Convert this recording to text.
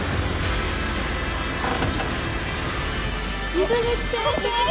水口先生！